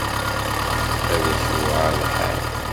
Ad k-yuεer lḥal.